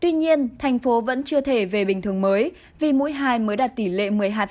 tuy nhiên thành phố vẫn chưa thể về bình thường mới vì mũi hai mới đạt tỷ lệ một mươi hai